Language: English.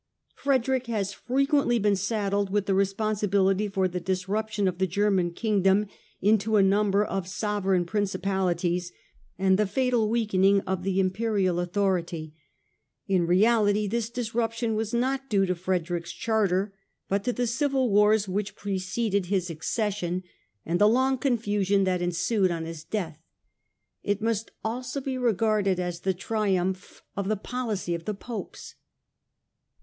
Frederick has frequently been saddled with the responsibility for the disruption of the German kingdom into a number of sovereign principali ties, and the fatal weakening of the Imperial authority. In reality this disruption was not due to Frederick's charter, but to the civil wars which preceded his acces THE ADVENTURE AND THE GOAL 53 sion and the long confusion that ensued on his death. It must also be regarded as the triumph of the policy of the Popes.